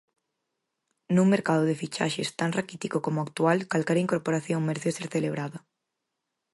Nun mercado de fichaxes tan raquítico como o actual, calquera incorporación merece ser celebrada.